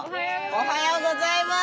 おはようございます。